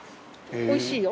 おいしいよ。